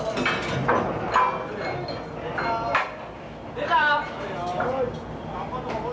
出た？